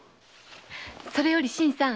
それより新さん。